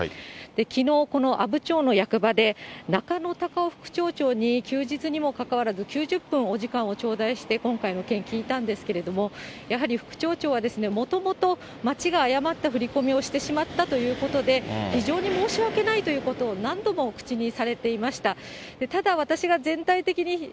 きのう、この阿武町の役場で、中野貴夫副町長に休日にもかかわらず、９０分、お時間を頂戴して、今回の件、聞いたんですけれども、やはり副町長は、もともと町が誤って振り込みをしてしまったということで、非常に申し訳ないということを何度も口にされていました。